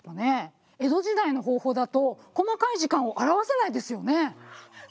江戸時代の方法だと細かい時間を表せないですよね。